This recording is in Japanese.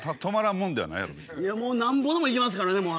いやもうなんぼでもいけますからね。